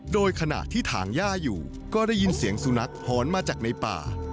โดยขณะที่ถางย่าอยู่ก็ได้ยินเสียงสุนัขหอนมาจากในป่า